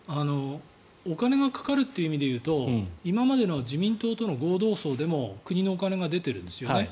お金がかかるという意味で言うと今までの自民党との合同葬でも国のお金が出てるんですよね。